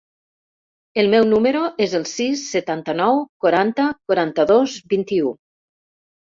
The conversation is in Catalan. El meu número es el sis, setanta-nou, quaranta, quaranta-dos, vint-i-u.